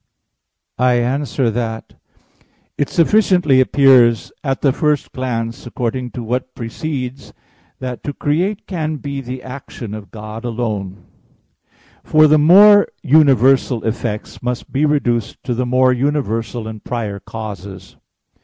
I answer that, It sufficiently appears at the first glance, according to what precedes (A. 1), that to create can be the action of God alone. For the more universal effects must be reduced to the more universal and prior causes.